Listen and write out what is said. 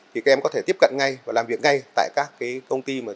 thì các em có thể tiếp cận ngay và làm việc ngay tại các